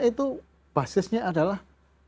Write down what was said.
itu basisnya adalah